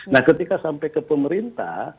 nah ketika sampai ke pemerintah